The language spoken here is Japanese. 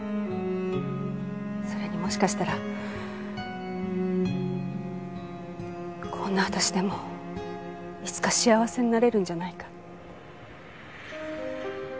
それにもしかしたらこんな私でもいつか幸せになれるんじゃないか。